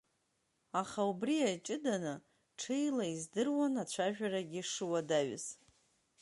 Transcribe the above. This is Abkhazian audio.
Аха убри иаҷыданы ҽеила издыруан ацәажәарагьы шуадаҩыз.